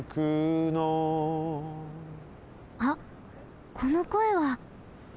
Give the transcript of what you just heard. あっこのこえは。